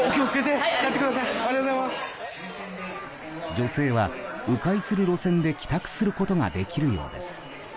女性は迂回する路線で帰宅することができるようです。